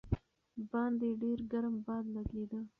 باندې ډېر ګرم باد لګېده.